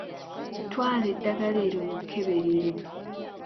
Twala eddagala eryo mu kkeberero.